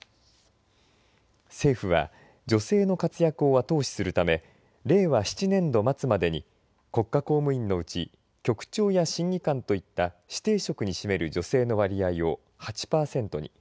政府は女性の活躍を後押しするため令和７年度末までに国家公務員のうち局長や審議官といった指定職に占める女性の割合を８パーセントに。